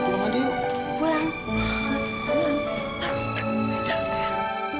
pulang aja yuk